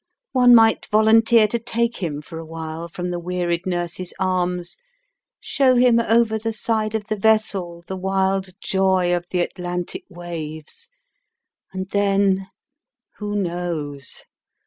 One might volunteer to take him for awhile from the wearied nurse's arms, show him over the side of the vessel the wild joy of the Atlantic waves, and then — who knows